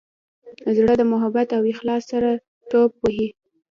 زړه د محبت او اخلاص سره ټوپ وهي.